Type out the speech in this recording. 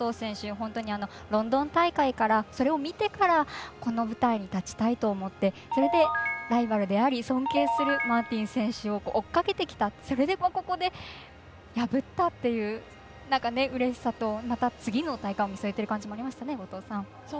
本当にロンドン大会からそれを見てからこの舞台に立ちたいと思ってライバルであり尊敬するマーティン選手を追っかけてきた、それをここで破ったっていううれしさと次の大会を見据えている感じがありましたね。